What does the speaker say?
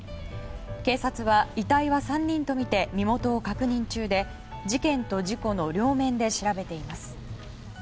警察は、遺体は３人とみて身元を確認中で事件と事故の両面で調べています。